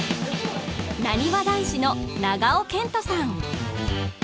なにわ男子の長尾謙杜さん